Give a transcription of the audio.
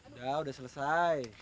udah udah selesai